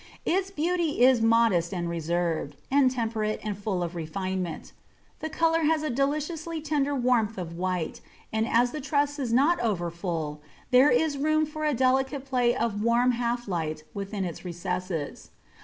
Its beauty is modest and reserved, and temperate and full of refinement. The colour has a deliciously tender warmth of white, and as the truss is not over full, there is room for a delicate play of warm half light within its recesses.